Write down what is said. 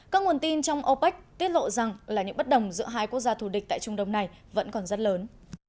các nguồn tin trong opec tiết lộ rằng là những bất đồng giữa hai quốc gia thù địch tại trung đông này vẫn còn rất lớn